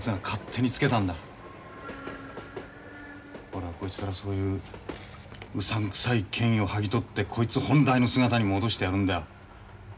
俺はこいつからそういううさんくさい権威を剥ぎ取ってこいつ本来の姿に戻してやるんだよ。